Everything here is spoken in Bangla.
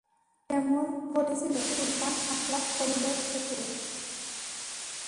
যেমন ঘটেছিল সুলতান আশরাফ খলীলের ক্ষেত্রে।